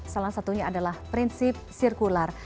salah satunya adalah prinsip sirkular